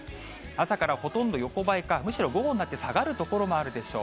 朝からほとんど横ばいか、むしろ午後になって下がる所もあるでしょう。